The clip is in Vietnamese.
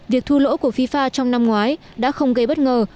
việc thu lỗ của fifa trong năm ngoái đã không gây bất ngờ